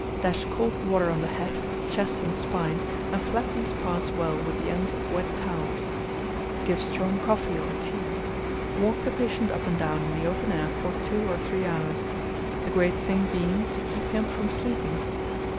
Dash cold water on the head, chest, and spine, and flap these parts well with the ends of wet towels. Give strong coffee or tea. Walk the patient up and down in the open air for two or three hours; the great thing being to keep him from sleeping.